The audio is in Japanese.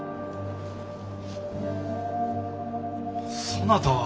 そなたは。